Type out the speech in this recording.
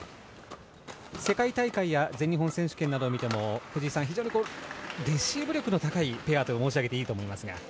世界大会や全日本選手権を見ても藤井さん、非常にレシーブ力の高いペアと申し上げていいと思いますが。